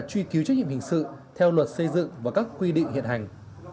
truy cứu trách nhiệm hình sự theo luật xây dựng và các quy định hiện hành